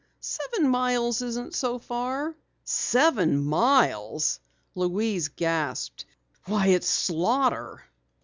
"Seven miles isn't so far." "Seven miles!" Louise gasped. "Why, it's slaughter."